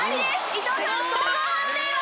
伊東さん総合判定は？